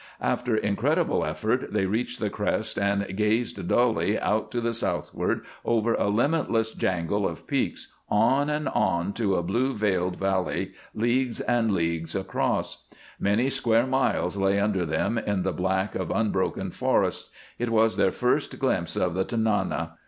After incredible effort they reached the crest and gazed dully out to the southward over a limitless jangle of peaks, on, on, to a blue veiled valley leagues and leagues across. Many square miles lay under them in the black of unbroken forests. It was their first glimpse of the Tanana.